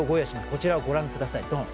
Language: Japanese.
こちらをご覧ください。